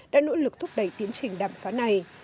đã nỗ lực thúc đẩy tiến trình đàm phán này